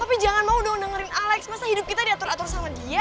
tapi jangan mau udah dengerin alex masa hidup kita diatur atur sama dia